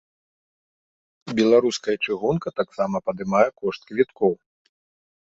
Беларуская чыгунка таксама падымае кошт квіткоў.